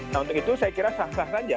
nah untuk itu saya kira sah sah saja